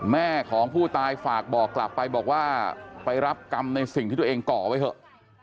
แม่ของผู้ตายฝากบอกกลับไปบอกว่าไปรับกรรมในสิ่งที่ตัวเองก่อไว้เถอะ